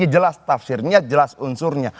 jelas tafsirnya jelas unsurnya